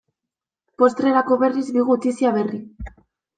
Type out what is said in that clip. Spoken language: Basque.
Postrerako berriz, bi gutizia berri.